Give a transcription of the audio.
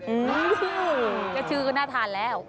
อืมแค่ชื่อก็น่าทานแล้ว